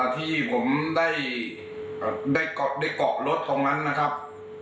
ที่ผมได้เกาะรถตรงนั้นนะครับ